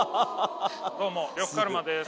どうも呂布カルマです。